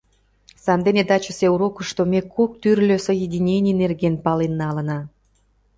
Сандене тачысе урокышто ме кок тӱрлӧ соединений нерген пален налына.